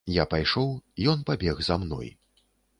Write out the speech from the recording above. Я пайшоў, ён пабег за мной.